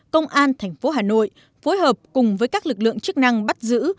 công an thành phố hà nội phối hợp cùng với các lực lượng chức năng bắt giữ